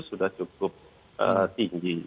sudah cukup tinggi